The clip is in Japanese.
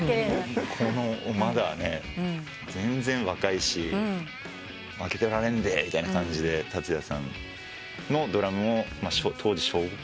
まだ全然若いし「負けてられんで」みたいな感じで達也さんのドラムを当時小５か。